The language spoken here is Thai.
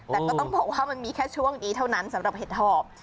แต่ก็ต้องบอกว่ามันมีแค่ช่วงนี้เท่านั้นสำหรับเห็ดหอบ